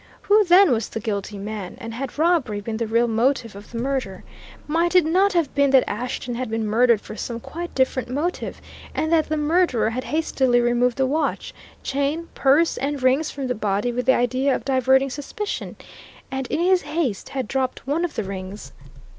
Who, then, was the guilty man? And had robbery been the real motive of the murder? Might it not have been that Ashton had been murdered for some quite different motive, and that the murderer had hastily removed the watch, chain, purse, and rings from the body with the idea of diverting suspicion, and in his haste had dropped one of the rings?